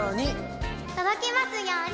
とどきますように。